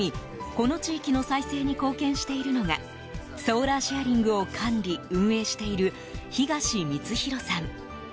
この地域の再生に貢献しているのがソーラーシェアリングを管理・運営している東光弘さん。